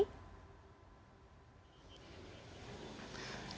apakah memang semuanya keseluruhan dilakukan secara virtual mengingat ini masa pandemi